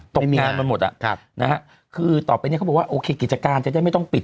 งานมันหมดอ่ะนะฮะคือต่อไปเนี่ยเขาบอกว่าโอเคกิจการจะได้ไม่ต้องปิด